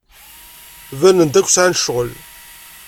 Banen-d akk sɛan ccɣel.